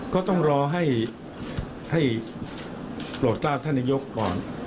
ก็ต้องรอให้โปรดกล้าท่านนายกก่อน